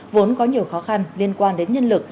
vốn có nhiều khó khăn liên quan đến nhân lực